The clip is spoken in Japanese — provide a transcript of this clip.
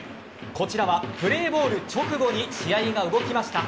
こちらはプレーボール直後に試合が動きました。